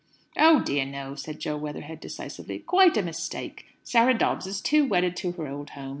"Oh dear no," said Jo Weatherhead decisively. "Quite a mistake. Sarah Dobbs is too wedded to her old home.